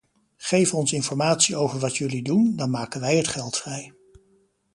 Geef ons informatie over wat jullie doen, dan maken wij het geld vrij.